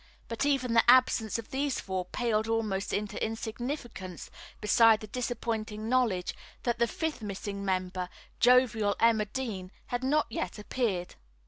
But even the absence of these four paled almost into insignificance beside the disappointing knowledge that the fifth missing member, jovial Emma Dean, had not yet appeared.